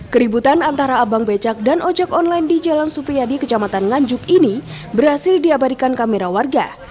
keributan antara abang becak dan ojek online di jalan supriyadi kecamatan nganjuk ini berhasil diabadikan kamera warga